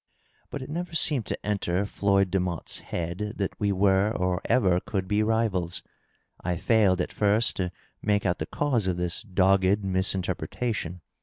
But it never seemed to enter Floyd Demotte's head that we were or ever could be rivals. I fiiiled, at first, to make out the cause of this dogged misinterpretation.